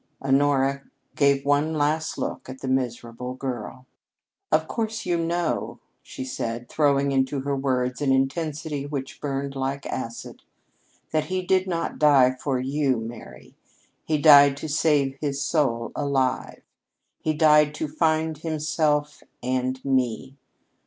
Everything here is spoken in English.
Honora gave one last look at the miserable girl. "Of course, you know," she said, throwing into her words an intensity which burned like acid, "that he did not die for you, Mary. He died to save his soul alive. He died to find himself and me.